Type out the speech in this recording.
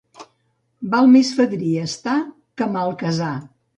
Val més fadrí estar que malcasar.